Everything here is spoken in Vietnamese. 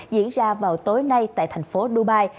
diễn ra vào tối nay tại thành phố dubai